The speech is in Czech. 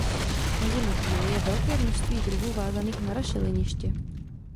Mezi motýly je velké množství druhů vázaných na rašeliniště.